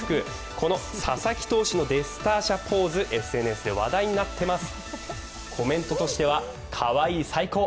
この佐々木投手のデスターシャポーズ、ＳＮＳで話題になっています。